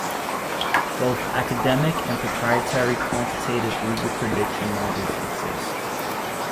Both academic and proprietary quantitative legal prediction models exist.